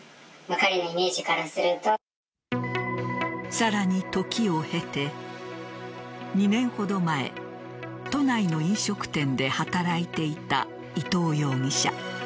さらに、時を経て２年ほど前、都内の飲食店で働いていた伊藤容疑者。